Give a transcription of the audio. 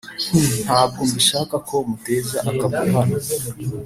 Nti: ntabwo mbishaka ko muteza akavuyo hano